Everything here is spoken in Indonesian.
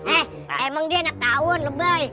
eh emang dia naik tahun lebay